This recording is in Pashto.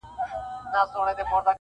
خو حل نه شته-